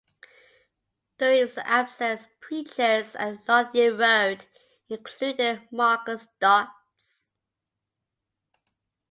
During his absence preachers at Lothian Road included Marcus Dods.